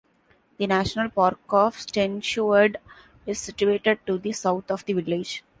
The national park of Stenshuvud is situated to the south of the village.